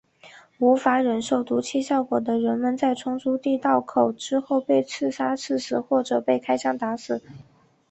无法忍受毒气效果的人们在冲出地道口之后被刺刀刺死或者被开枪打死。